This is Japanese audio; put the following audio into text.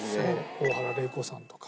大原麗子さんとか。